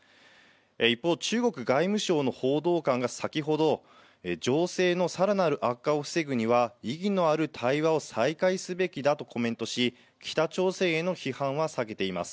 一方、中国外務省の報道官が先ほど、情勢のさらなる悪化を防ぐには、意義のある対話を再開すべきだとコメントし、北朝鮮への批判は避けています。